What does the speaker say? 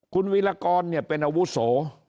คุณวิรากรเป็นอาวุโส